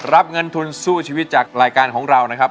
รับเงินทุนสู้ชีวิตจากรายการของเรานะครับ